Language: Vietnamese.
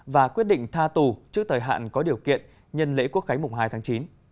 và quyết định tha tù trước thời hạn có điều kiện nhân lễ quốc khánh mùng hai tháng chín